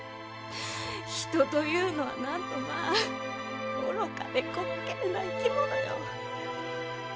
人というのはなんとまぁ愚かで滑稽な生き物よ。